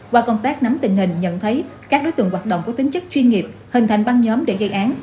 qua công tác nắm tình hình nhận thấy các đối tượng hoạt động có tính chất chuyên nghiệp hình thành băng nhóm để gây án